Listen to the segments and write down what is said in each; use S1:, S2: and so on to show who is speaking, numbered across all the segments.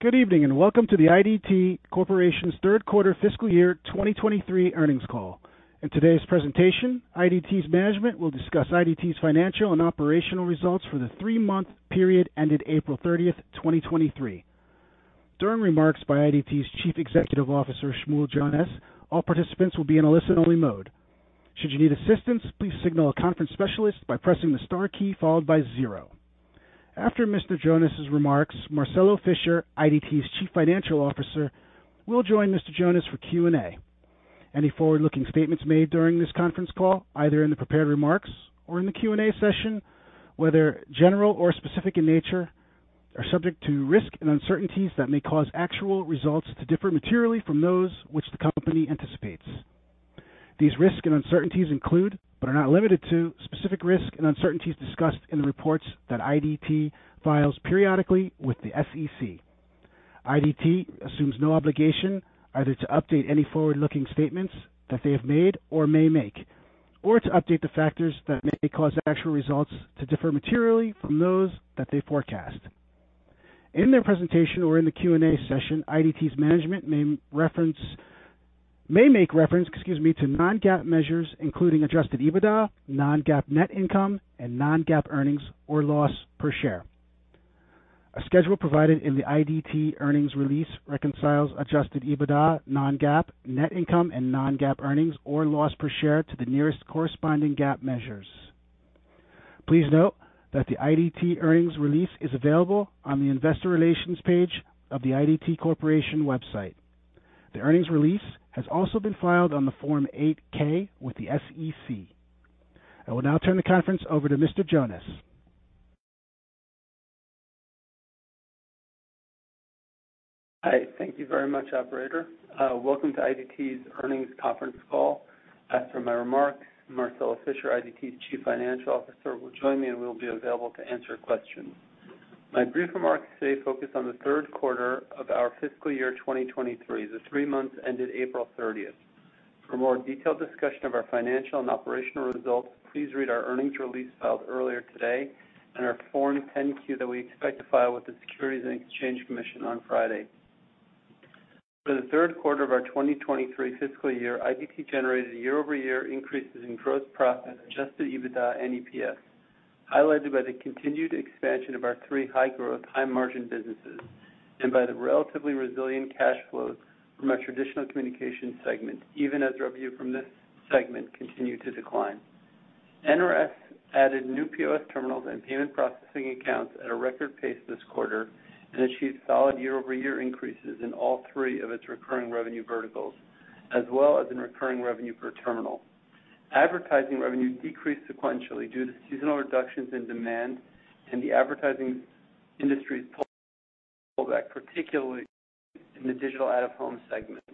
S1: Good evening, welcome to the IDT Corporation's third quarter fiscal year 2023 earnings call. In today's presentation, IDT's management will discuss IDT's financial and operational results for the three-month period ended April 30th, 2023. During remarks by IDT's Chief Executive Officer, Shmuel Jonas, all participants will be in a listen-only mode. Should you need assistance, please signal a conference specialist by pressing the star key followed by zero. After Mr. Jonas's remarks, Marcelo Fischer, IDT's Chief Financial Officer, will join Mr. Jonas for Q&A. Any forward-looking statements made during this conference call, either in the prepared remarks or in the Q&A session, whether general or specific in nature, are subject to risks and uncertainties that may cause actual results to differ materially from those which the company anticipates. These risks and uncertainties include, but are not limited to, specific risks and uncertainties discussed in the reports that IDT files periodically with the SEC. IDT assumes no obligation either to update any forward-looking statements that they have made or may make, or to update the factors that may cause actual results to differ materially from those that they forecast. In their presentation or in the Q&A session, IDT's management may make reference, excuse me, to non-GAAP measures, including adjusted EBITDA, non-GAAP net income, and non-GAAP earnings or loss per share. A schedule provided in the IDT earnings release reconciles adjusted EBITDA, non-GAAP, net income, and non-GAAP earnings or loss per share to the nearest corresponding GAAP measures. Please note that the IDT earnings release is available on the investor relations page of the IDT Corporation website. The earnings release has also been filed on the Form 8-K with the SEC. I will now turn the conference over to Mr. Jonas.
S2: Hi, thank you very much, operator. Welcome to IDT's earnings conference call. After my remarks, Marcelo Fischer, IDT's Chief Financial Officer, will join me and we'll be available to answer questions. My brief remarks today focus on the third quarter of our fiscal year 2023, the three months ended April 30th. For more detailed discussion of our financial and operational results, please read our earnings release filed earlier today and our Form 10-Q that we expect to file with the Securities and Exchange Commission on Friday. For the third quarter of our 2023 fiscal year, IDT generated year-over-year increases in gross profit, adjusted EBITDA and EPS, highlighted by the continued expansion of our three high-growth, high-margin businesses, and by the relatively resilient cash flows from our traditional communication segment, even as revenue from this segment continued to decline. NRS added new POS terminals and payment processing accounts at a record pace this quarter and achieved solid year-over-year increases in all three of its recurring revenue verticals, as well as in recurring revenue per terminal. Advertising revenue decreased sequentially due to seasonal reductions in demand and the advertising industry's pullback, particularly in the digital out-of-home segment.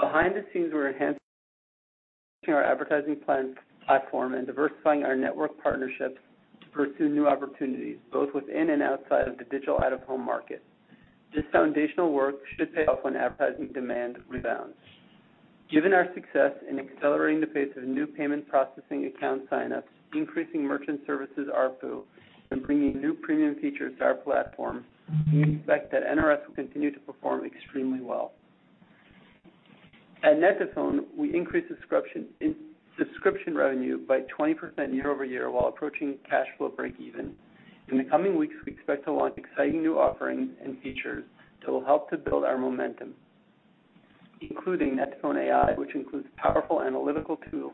S2: Behind the scenes, we're enhancing our advertising plan platform and diversifying our network partnerships to pursue new opportunities, both within and outside of the digital out-of-home market. This foundational work should pay off when advertising demand rebounds. Given our success in accelerating the pace of new payment processing account sign-ups, increasing merchant services ARPU, and bringing new premium features to our platform, we expect that NRS will continue to perform extremely well. At net2phone, we increased subscription revenue by 20% year-over-year, while approaching cash flow break even. In the coming weeks, we expect to launch exciting new offerings and features that will help to build our momentum, including net2phone AI, which includes powerful analytical tools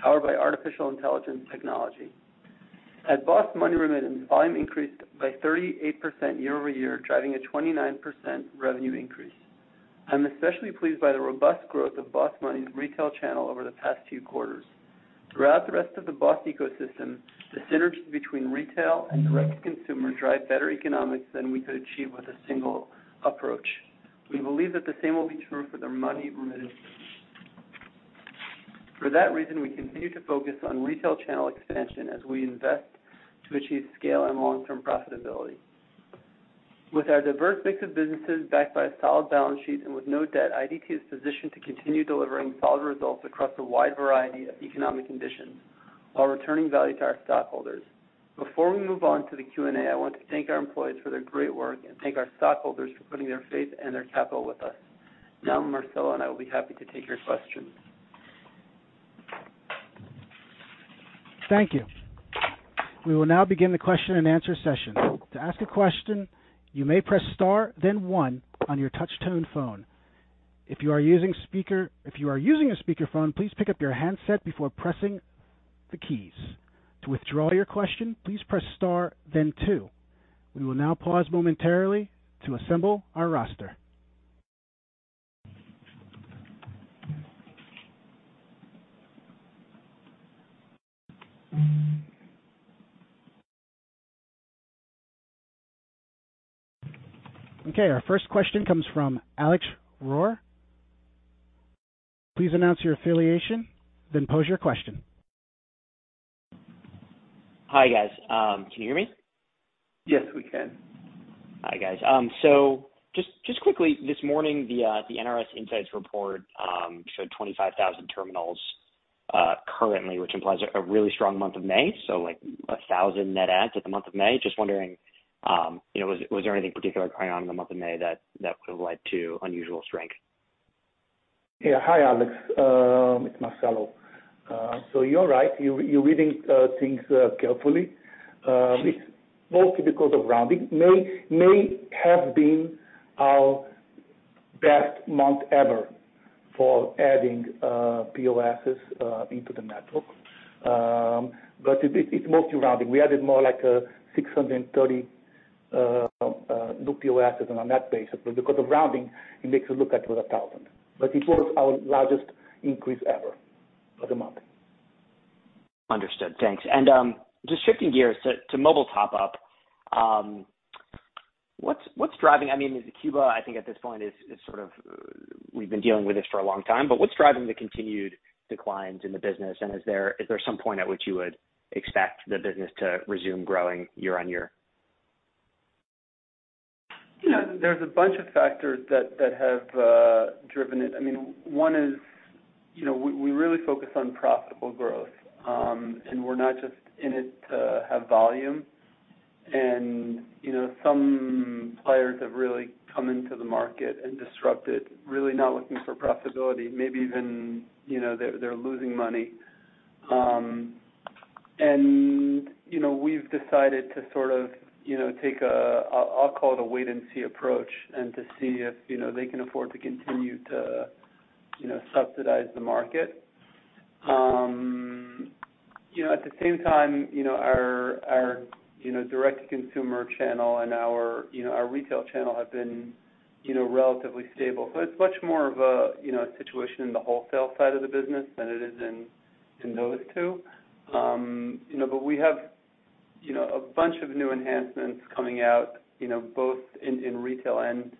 S2: powered by artificial intelligence technology. At BOSS Money Remittance, volume increased by 38% year-over-year, driving a 29% revenue increase. I'm especially pleased by the robust growth of BOSS Money's retail channel over the past few quarters. Throughout the rest of the BOSS ecosystem, the synergy between retail and direct-to-consumer drive better economics than we could achieve with a single approach. We believe that the same will be true for the money remittance. For that reason, we continue to focus on retail channel expansion as we invest to achieve scale and long-term profitability. With our diverse mix of businesses backed by a solid balance sheet and with no debt, IDT is positioned to continue delivering solid results across a wide variety of economic conditions while returning value to our stockholders. Before we move on to the Q&A, I want to thank our employees for their great work and thank our stockholders for putting their faith and their capital with us. Now, Marcelo and I will be happy to take your questions.
S1: Thank you. We will now begin the question and answer session. To ask a question, you may press star, then one on your touch tone phone. If you are using a speaker phone, please pick up your handset before pressing the keys. To withdraw your question, please press star, then two. We will now pause momentarily to assemble our roster. Okay, our first question comes from Alex Rohr. Please announce your affiliation, then pose your question.
S3: Hi, guys. Can you hear me?
S2: Yes, we can.
S3: Hi, guys. So just quickly, this morning, the NRS Insights Report showed 25,000 terminals currently, which implies a really strong month of May, like 1,000 net adds at the month of May. Just wondering, you know, was there anything particular going on in the month of May that would have led to unusual strength?
S4: Yeah. Hi, Alex, it's Marcelo. You're right, you're reading things carefully. It's mostly because of rounding. May have been our best month ever for adding POSs into the network. It's mostly rounding. We added more like 630 new POSs and on that basis. Because of rounding, it makes it look like it was 1,000. It was our largest increase ever for the month.
S3: Understood. Thanks. Just shifting gears to mobile top-up. What's driving, I mean, Cuba, I think at this point is sort of... We've been dealing with this for a long time, but what's driving the continued declines in the business? Is there some point at which you would expect the business to resume growing year-on-year?
S2: You know, there's a bunch of factors that have driven it. I mean, one is, you know, we really focus on profitable growth, and we're not just in it to have volume. You know, some players have really come into the market and disrupted, really not looking for profitability, maybe even, you know, they're losing money. You know, we've decided to sort of, you know, take a, I'll call it a wait and see approach and to see if, you know, they can afford to continue to, you know, subsidize the market. You know, at the same time, you know, our, you know, direct to consumer channel and our, you know, retail channel have been, you know, relatively stable. It's much more of a, you know, a situation in the wholesale side of the business than it is in those two. But we have, you know, a bunch of new enhancements coming out, you know, both in retail and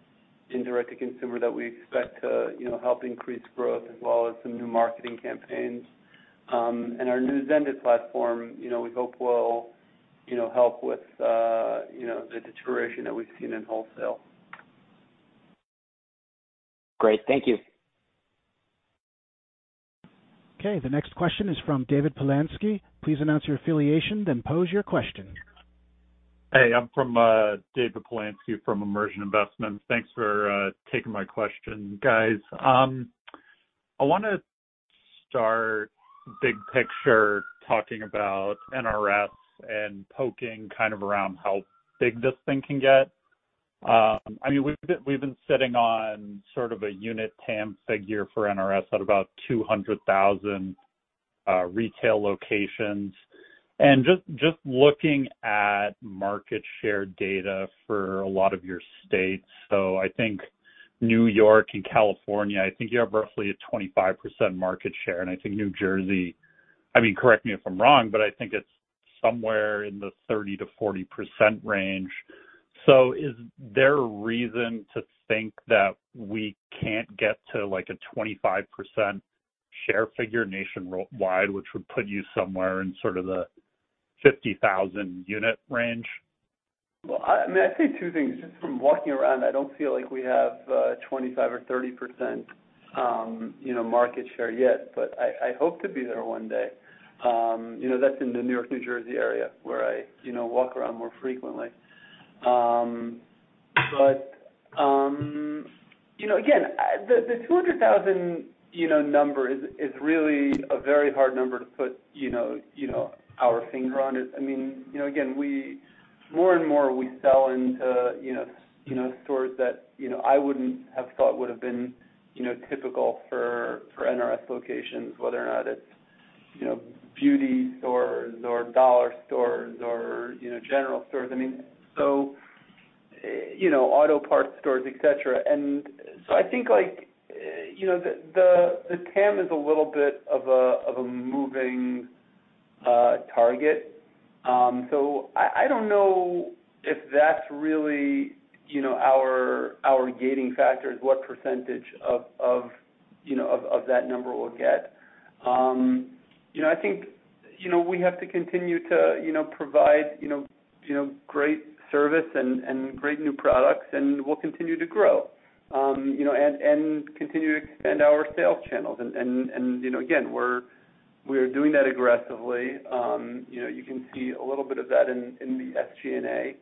S2: in direct to consumer that we expect to, you know, help increase growth, as well as some new marketing campaigns. And our new Zendit platform, you know, we hope will, you know, help with the deterioration that we've seen in wholesale.
S3: Great. Thank you.
S1: Okay, the next question is from David Polansky. Please announce your affiliation, then pose your question.
S5: Hey, I'm from David Polansky, from Immersion Investments. Thanks for taking my question, guys. I wanna start big picture, talking about NRS and poking kind of around how big this thing can get. I mean, we've been sitting on sort of a unit TAM figure for NRS at about 200,000 retail locations. Just looking at market share data for a lot of your states, I think New York and California, I think you have roughly a 25% market share. I think New Jersey, I mean, correct me if I'm wrong, but I think it's somewhere in the 30%-40% range. Is there a reason to think that we can't get to, like, a 25% share figure nationwide, which would put you somewhere in sort of the 50,000 unit range?
S2: Well, I mean, I'd say two things. Just from walking around, I don't feel like we have 25% or 30%, you know, market share yet, but I hope to be there one day. You know, that's in the New York, New Jersey area, where I, you know, walk around more frequently. But, you know, again, the 200,000, you know, number is really a very hard number to put, you know, our finger on it. I mean, you know, again, more and more, we sell into, you know, stores that, you know, I wouldn't have thought would have been, you know, typical for NRS locations, whether or not it's, you know, beauty stores or dollar stores or, you know, general stores. I mean, so, you know, auto parts stores, et cetera. I think, like, you know, the TAM is a little bit of a moving target. I don't know if that's really, you know, our gating factor, is what percentage of that number we'll get. You know, I think, you know, we have to continue to, you know, provide great service and great new products, and we'll continue to grow. You know, and continue to expand our sales channels. You know, again, we are doing that aggressively. You know, you can see a little bit of that in the SG&A.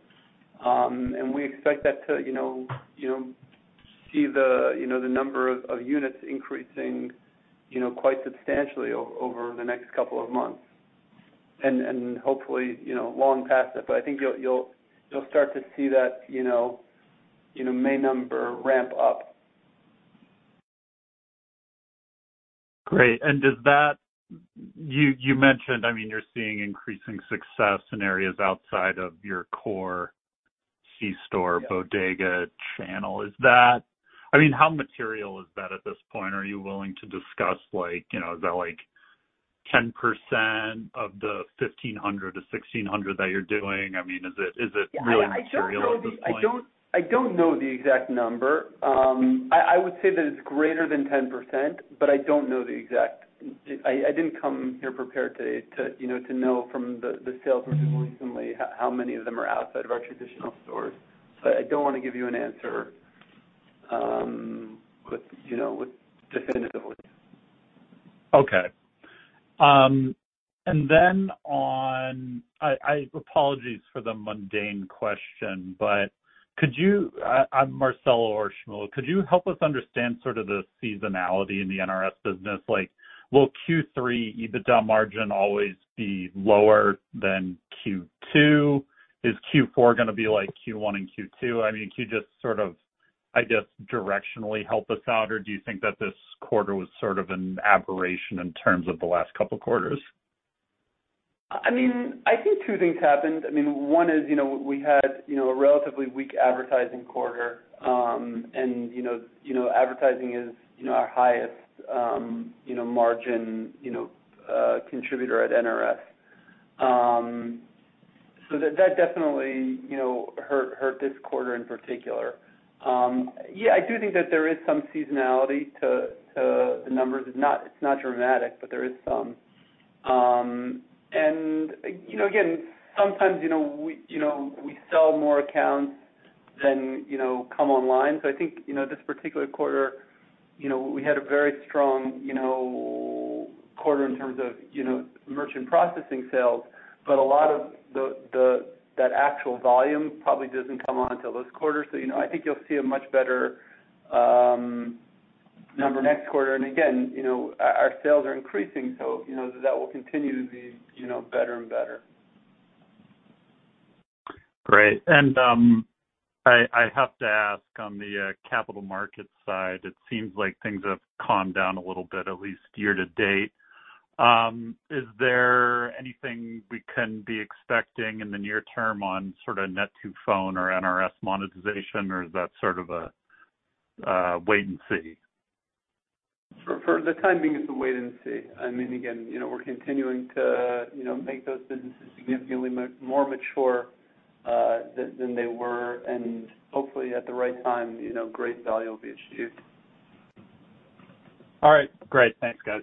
S2: We expect that to, you know, see the number of units increasing, you know, quite substantially over the next couple of months. Hopefully, you know, long past that. I think you'll start to see that, you know, May number ramp up.
S5: Great. You mentioned, I mean, you're seeing increasing success in areas outside of your core c-store...
S2: Yeah
S5: bodega channel. I mean, how material is that at this point? Are you willing to discuss, like, you know, is that like 10% of the 1,500-1,600 that you're doing? I mean, is it really material at this point?
S2: I don't know the exact number. I would say that it's greater than 10%, but I don't know the exact... I didn't come here prepared to, you know, to know from the sales recently, how many of them are outside of our traditional stores. I don't wanna give you an answer with you know, with definitively.
S5: Okay. On, apologies for the mundane question, but could you, Marcelo or Shmuel, could you help us understand sort of the seasonality in the NRS business? Like, will Q3 EBITDA margin always be lower than Q2? Is Q4 gonna be like Q1 and Q2? I mean, could you just sort of, I guess, directionally help us out, or do you think that this quarter was sort of an aberration in terms of the last couple quarters?
S2: I mean, I think two things happened. I mean, one is, you know, we had, you know, a relatively weak advertising quarter. You know, advertising is, you know, our highest, you know, margin, you know, contributor at NRS. That definitely, you know, hurt this quarter in particular. Yeah, I do think that there is some seasonality to the numbers. It's not, it's not dramatic, but there is some. Again, sometimes, you know, we, you know, we sell more accounts than, you know, come online. I think, you know, this particular quarter, you know, we had a very strong, you know, quarter in terms of, you know, merchant processing sales, but a lot of that actual volume probably doesn't come on until this quarter. You know, I think you'll see a much better number next quarter. Again, you know, our sales are increasing, so, you know, that will continue to be, you know, better and better.
S5: Great. I have to ask on the capital market side, it seems like things have calmed down a little bit, at least year to date. Is there anything we can be expecting in the near term on sort of net2phone or NRS monetization, or is that sort of a wait and see?
S2: For the time being, it's a wait and see. I mean, again, you know, we're continuing to, you know, make those businesses significantly more mature than they were, and hopefully at the right time, you know, great value will be achieved.
S5: All right, great. Thanks, guys.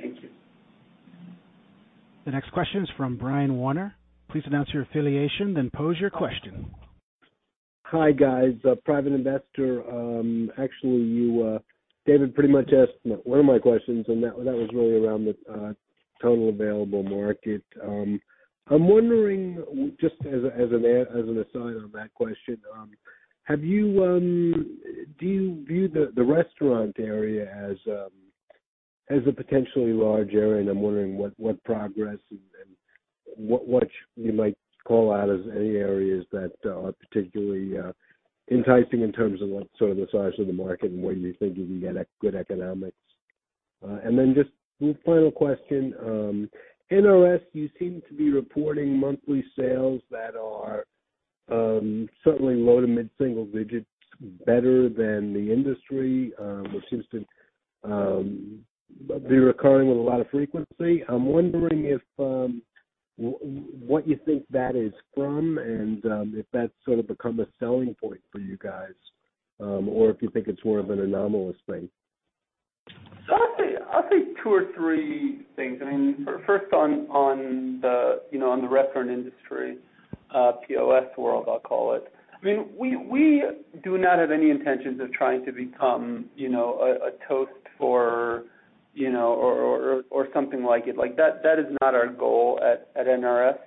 S2: Thank you.
S1: The next question is from Brian Warner. Please announce your affiliation, then pose your question.
S6: Hi, guys, private investor. Actually, you David pretty much asked one of my questions, and that was really around the total available market. I'm wondering, just as an aside on that question, have you, do you view the restaurant area as a potentially large area? I'm wondering what progress and what you might call out as any areas that are particularly enticing in terms of what sort of the size of the market and where you think you can get good economics. Then just final question, NRS, you seem to be reporting monthly sales that are certainly low to mid-single digits, better than the industry, which seems to be recurring with a lot of frequency. I'm wondering if, what you think that is from, and, if that's sort of become a selling point for you guys, or if you think it's more of an anomalous thing?
S2: I'd say two or three things. I mean, first on the, you know, on the restaurant industry, POS world, I'll call it. I mean, we do not have any intentions of trying to become, you know, a Toast or, you know, or something like it. Like, that is not our goal at NRS.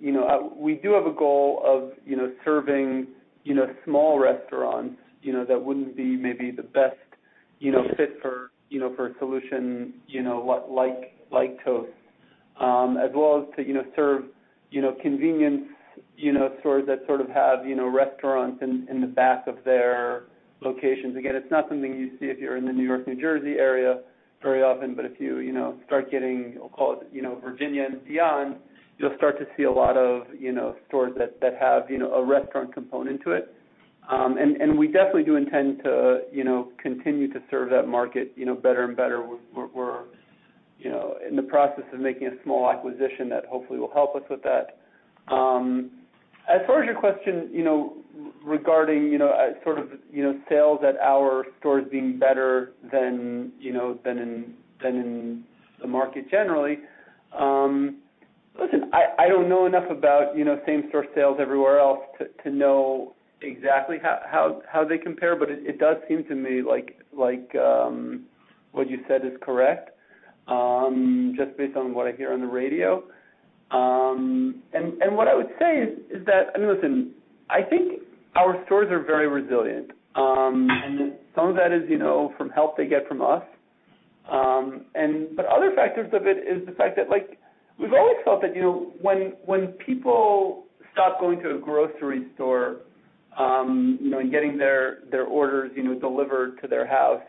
S2: You know, we do have a goal of, you know, serving, you know, small restaurants, you know, that wouldn't be maybe the best, you know, fit for, you know, for a solution, you know, like Toast. As well as to, you know, serve, you know, convenience, you know, stores that sort of have, you know, restaurants in the back of their locations. Again, it's not something you see if you're in the New York, New Jersey area very often, but if you know, start getting, I'll call it, you know, Virginia and beyond, you'll start to see a lot of, you know, stores that have, you know, a restaurant component to it. And we definitely do intend to, you know, continue to serve that market, you know, better and better. We're, you know, in the process of making a small acquisition that hopefully will help us with that. As far as your question, you know, regarding, you know, sort of, you know, sales at our stores being better than, you know, than in the market generally. Listen, I don't know enough about, you know, same store sales everywhere else to know exactly how they compare, but it does seem to me like what you said is correct, just based on what I hear on the radio. What I would say is that... I mean, listen, I think our stores are very resilient. Some of that is, you know, from help they get from us. But other factors of it is the fact that, like, we've always felt that, you know, when people stop going to a grocery store, you know, and getting their orders, you know, delivered to their house,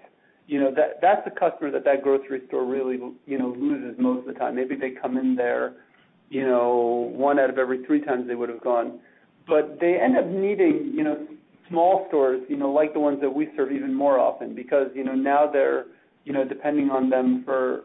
S2: you know, that's a customer that grocery store really, you know, loses most of the time. Maybe they come in there, you know, one out of every three times they would have gone. They end up needing, you know, small stores, you know, like the ones that we serve even more often, because, you know, now they're, you know, depending on them for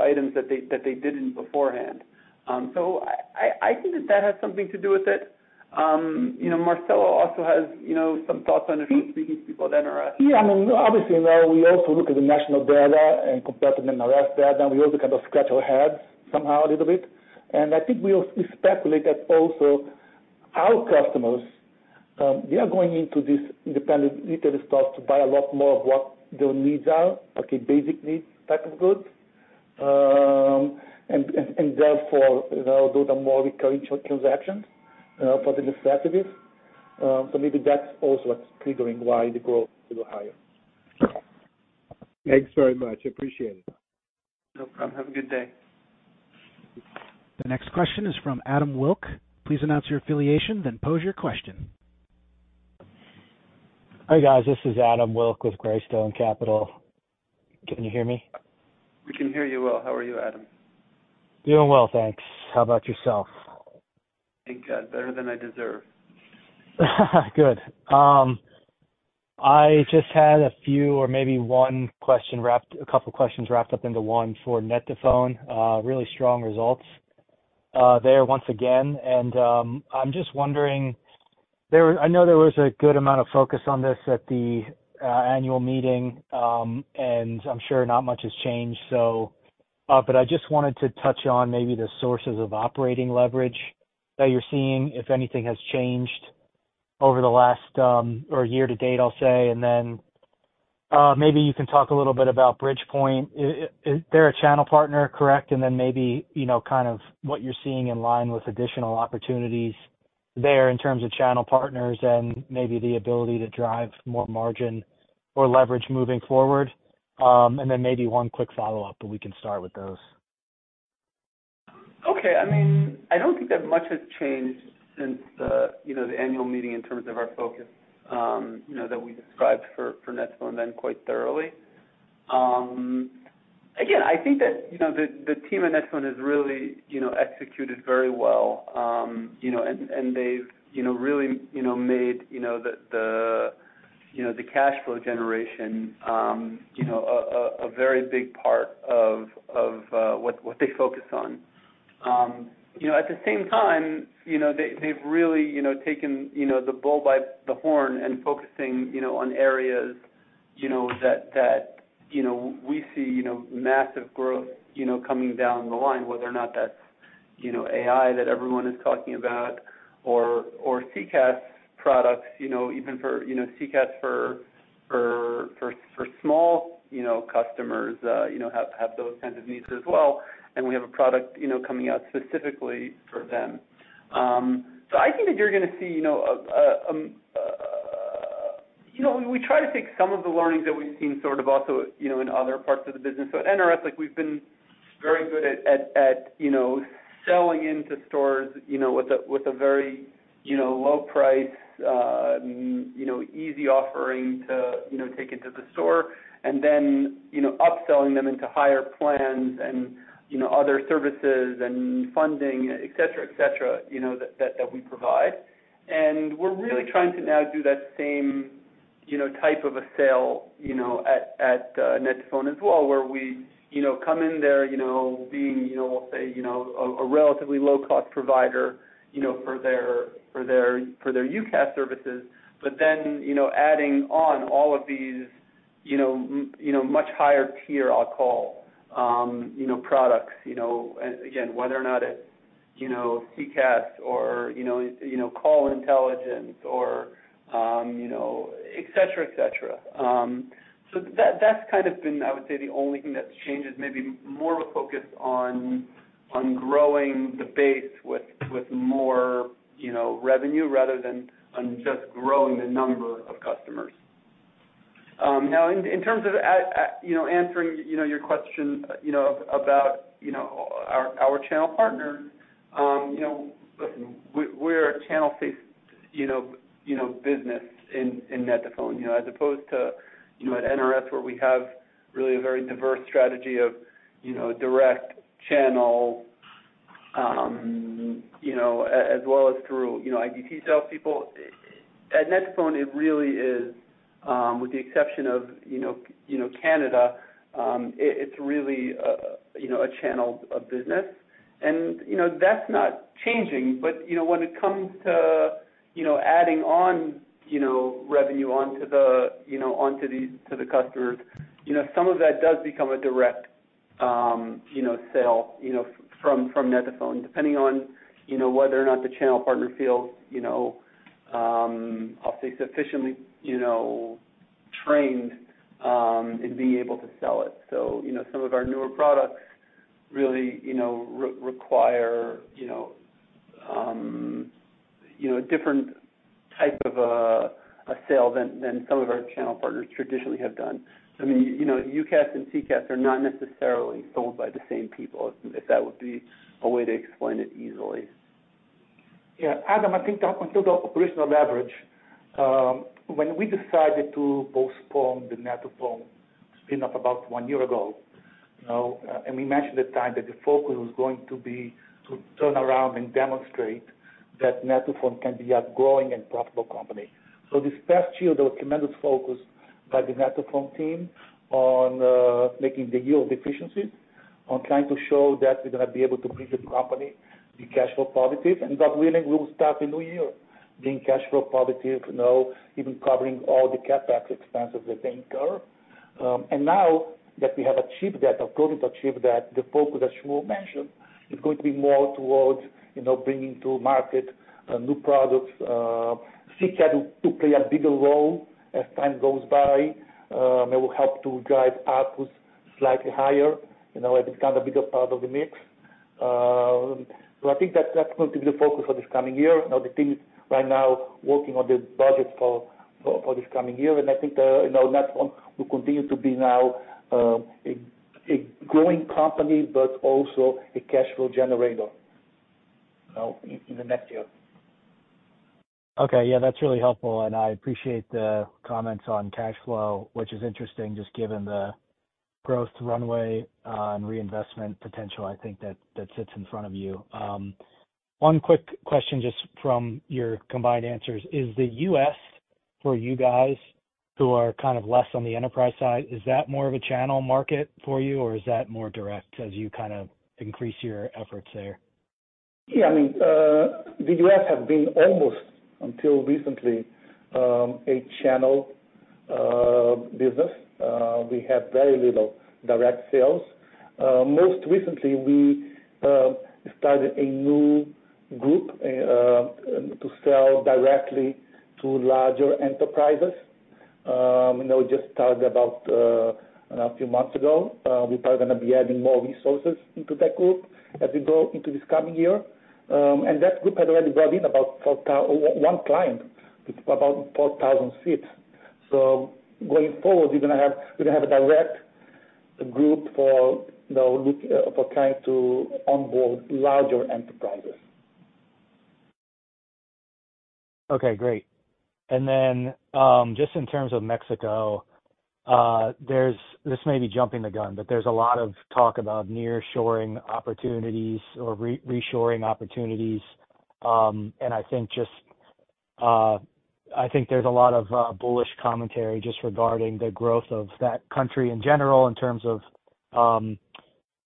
S2: items that they didn't beforehand. I think that has something to do with it. You know, Marcelo also has, you know, some thoughts on it from speaking to people at NRS.
S4: Yeah, I mean, obviously, you know, we also look at the national data and compare to the NRS data, and we also kind of scratch our heads somehow a little bit. I think we also speculate that also our customers, they are going into these independent retail stores to buy a lot more of what their needs are, okay, basic needs type of goods. And therefore, you know, those are more recurring transactions for the necessities. Maybe that's also what's triggering why the growth is a little higher. Thanks very much. Appreciate it.
S2: No problem. Have a good day.
S1: The next question is from Adam Wilk. Please announce your affiliation, then pose your question.
S7: Hi, guys. This is Adam Wilk with Greystone Capital. Can you hear me?
S2: We can hear you well. How are you, Adam?
S7: Doing well, thanks. How about yourself?
S2: Thank God, better than I deserve.
S7: Good. I just had a few or maybe one question a couple questions wrapped up into one for net2phone. really strong results there once again, and I'm just wondering, I know there was a good amount of focus on this at the annual meeting, and I'm sure not much has changed, so, but I just wanted to touch on maybe the sources of operating leverage that you're seeing, if anything has changed over the last or year to date, I'll say. maybe you can talk a little bit about Bridgepointe. is there a channel partner, correct? maybe, you know, kind of what you're seeing in line with additional opportunities there in terms of channel partners and maybe the ability to drive more margin or leverage moving forward. Maybe one quick follow-up, but we can start with those.
S2: Okay. I mean, I don't think that much has changed since the, you know, the annual meeting in terms of our focus, you know, that we described for net2phone then quite thoroughly. I think that, you know, the team at net2phone has really, you know, executed very well. You know, and they've, you know, really, you know, made, you know, the cash flow generation, you know, a very big part of what they focus on. You know, at the same time, you know, they've really, you know, taken, you know, the bull by the horn and focusing, you know, on areas, you know, that, you know, we see, you know, massive growth, you know, coming down the line, whether or not that's, you know, AI that everyone is talking about or CCaaS products, you know, even for, you know, CCaaS for small, you know, customers, you know, have those kinds of needs as well. We have a product, you know, coming out specifically for them. I think that you're gonna see, you know, a, you know, we try to take some of the learnings that we've seen sort of also, you know, in other parts of the business. At NRS, like, we've been very good at, you know, selling into stores, you know, with a, with a very, you know, low price, you know, easy offering to, you know, take into the store. Then, you know, upselling them into higher plans and, you know, other services and funding, et cetera, et cetera, you know, that we provide. We're really trying to now do that same, you know, type of a sale, you know, at net2phone as well, where we, you know, come in there, you know, being, you know, we'll say, a relatively low-cost provider, you know, for their UCaaS services. You know, adding on all of these, you know, much higher tier, I'll call, you know, products, you know, and again, whether or not it's, you know, CCaaS or call intelligence or, you know, et cetera, et cetera. So that's kind of been, I would say, the only thing that's changed is maybe more of a focus on growing the base with more, you know, revenue rather than on just growing the number of customers. Now in terms of answering, you know, your question, you know, about, you know, our channel partner, you know, listen, we're a channel-faced, you know, business in net2phone. You know, as opposed to, you know, at NRS, where we have really a very diverse strategy of, you know, direct channel, you know, as well as through, you know, IBT sales people. At net2phone, it really is, with the exception of, you know, you know, Canada, it's really, you know, a channel of business. That's not changing, but, you know, when it comes to, you know, adding on, you know, revenue onto the, you know, onto these, to the customers, you know, some of that does become a direct, you know, sale, you know, from net2phone, depending on, you know, whether or not the channel partner feels, you know, I'll say, sufficiently, you know, trained, in being able to sell it. you know, some of our newer products really, you know, require, you know, different type of a sale than some of our channel partners traditionally have done. I mean, you know, UCaaS and CCaaS are not necessarily sold by the same people, if that would be a way to explain it easily.
S4: Adam, I think until the operational leverage, when we decided to postpone the net2phone spin up about 1 year ago, you know, and we mentioned at the time that the focus was going to be to turn around and demonstrate that net2phone can be a growing and profitable company. This past year, there was tremendous focus by the net2phone team on making the yield efficiencies, on trying to show that we're gonna be able to bring the company to be cash flow positive, and that really will start a new year, being cash flow positive, you know, even covering all the CapEx expenses, the same curve. Now that we have achieved that, our goal is achieved, that the focus, as Shmuel mentioned, is going to be more towards, you know, bringing to market, new products, seek out to play a bigger role as time goes by. It will help to drive outputs slightly higher, you know, as it become a bigger part of the mix. I think that's going to be the focus for this coming year. Now, the team right now working on the budget for this coming year, I think, you know, net2phone will continue to be now, a growing company, but also a cash flow generator, you know, in the next year.
S7: Okay. Yeah, that's really helpful, and I appreciate the comments on cash flow, which is interesting, just given the growth runway, and reinvestment potential, I think that sits in front of you. One quick question, just from your combined answers. Is the U.S., for you guys, who are kind of less on the enterprise side, is that more of a channel market for you, or is that more direct as you kind of increase your efforts there?
S4: Yeah, I mean, the U.S. have been almost, until recently, a channel business. We have very little direct sales. Most recently, we started a new group to sell directly to larger enterprises. You know, just started about a few months ago. We are gonna be adding more resources into that group as we go into this coming year. And that group has already brought in about one client with about 4,000 seats. Going forward, we're gonna have a direct group for, you know, trying to onboard larger enterprises.
S7: Okay, great. Then, just in terms of Mexico, there's... This may be jumping the gun, but there's a lot of talk about nearshoring opportunities or reshoring opportunities. I think just, I think there's a lot of bullish commentary just regarding the growth of that country in general in terms of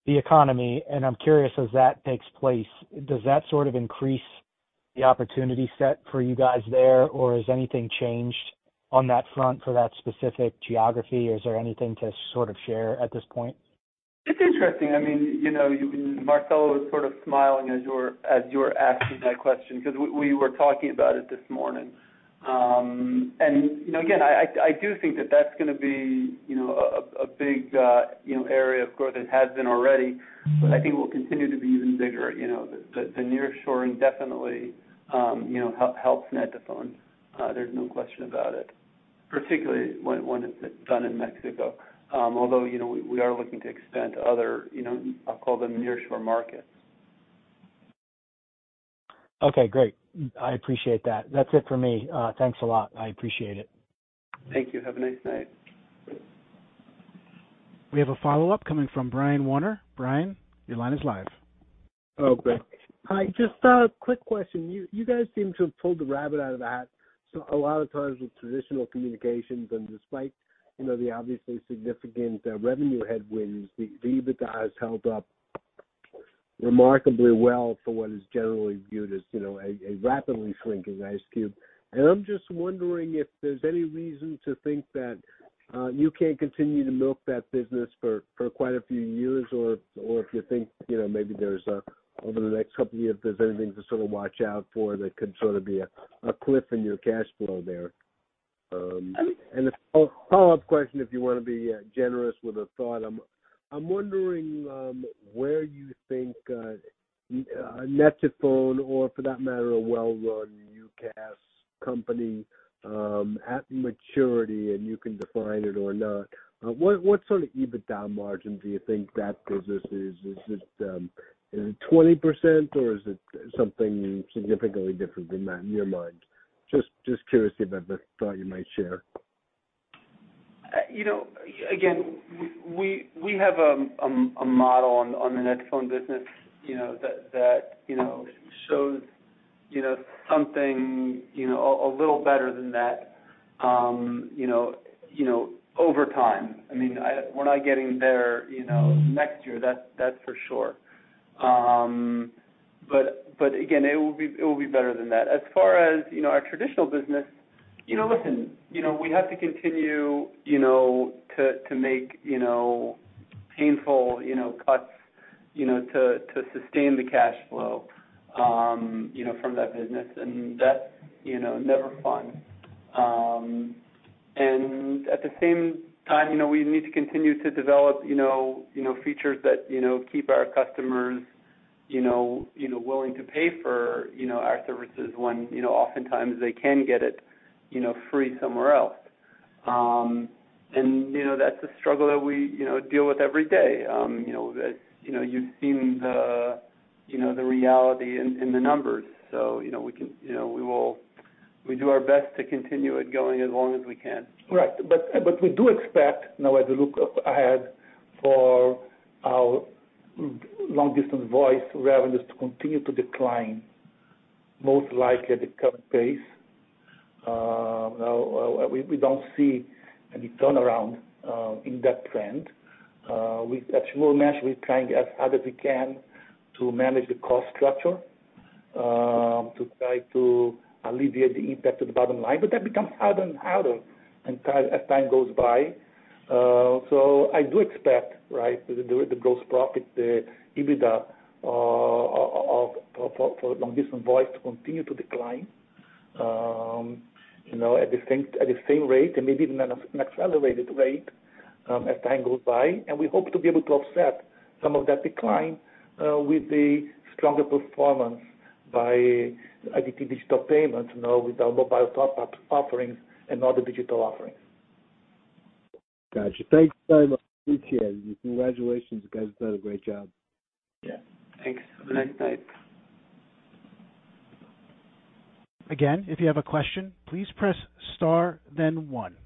S7: the economy. I'm curious, as that takes place, does that sort of increase the opportunity set for you guys there, or has anything changed on that front for that specific geography? Is there anything to sort of share at this point?
S2: It's interesting. I mean, you know, Marcelo was sort of smiling as you were asking that question, because we were talking about it this morning. you know, again, I do think that that's gonna be, you know, a big, you know, area of growth. It has been already.
S7: Mm-hmm.
S2: I think it will continue to be even bigger. You know, the nearshoring definitely, you know, helps net2phone, there's no question about it, particularly when it's done in Mexico, although, you know, we are looking to extend to other, you know, I'll call them nearshore markets.
S7: Okay, great. I appreciate that. That's it for me. Thanks a lot. I appreciate it.
S2: Thank you. Have a nice night.
S1: We have a follow-up coming from Brian Warner. Brian, your line is live.
S6: Great. Hi, just a quick question. You guys seem to have pulled the rabbit out of the hat, so a lot of times with traditional communications and despite, you know, the obviously significant revenue headwinds, the EBITDA has held up remarkably well for what is generally viewed as, you know, a rapidly shrinking ice cube. I'm just wondering if there's any reason to think that you can't continue to milk that business for quite a few years, or if you think, you know, maybe over the next couple of years, there's anything to sort of watch out for that could sort of be a cliff in your cash flow there? A follow-up question, if you wanna be generous with a thought. I'm wondering where you think net2phone or for that matter, a well-run UCaaS company, at maturity, and you can define it or not, what sort of EBITDA margin do you think that business is? Is it 20%, or is it something significantly different than that in your mind? Just curious if you have a thought you might share.
S2: You know, again, we have a model on the net2phone business, you know, that, you know, shows, you know, something, you know, a little better than that, you know, over time. I mean, we're not getting there, you know, next year, that's for sure. Again, it will be better than that. As far as, you know, our traditional business, you know, listen, you know, we have to continue, you know, to make, you know, painful, you know, cuts, you know, to sustain the cash flow, you know, from that business, and that, you know, never fun. At the same time, you know, we need to continue to develop, you know, you know, features that, you know, keep our customers, you know, you know, willing to pay for, you know, our services when, you know, oftentimes they can get it, you know, free somewhere else. You know, that's a struggle that we, you know, deal with every day. You know, that, you know, you've seen the, you know, the reality in the numbers. You know, we can, you know, we do our best to continue it going as long as we can.
S4: Right. We do expect, now, as we look ahead for our long-distance voice revenues to continue to decline, most likely at the current pace, now, we don't see any turnaround in that trend. We actually, we're trying as hard as we can to manage the cost structure to try to alleviate the impact to the bottom line, but that becomes harder and harder as time goes by. I do expect, right, the gross profit, the EBITDA of, for long-distance voice to continue to decline, you know, at the same rate and maybe even an accelerated rate as time goes by. we hope to be able to offset some of that decline, with the stronger performance by IDT Digital Payments, you know, with our mobile top-up offerings and other digital offerings.
S6: Gotcha. Thank you so much. Appreciate it. Congratulations, you guys have done a great job.
S2: Yeah.
S4: Thanks. Have a nice night.
S1: If you have a question, please press star, then one.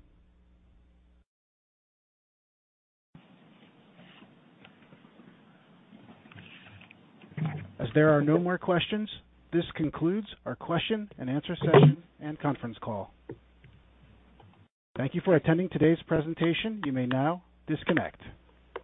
S1: There are no more questions, this concludes our question and answer session and conference call. Thank you for attending today's presentation. You may now disconnect.